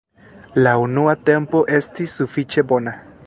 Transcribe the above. La unua tempo estis sufiĉe bona.